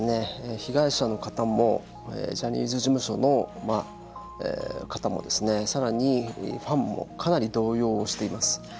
被害者の方もジャニーズ事務所の方もさらにファンもかなり動揺をしています。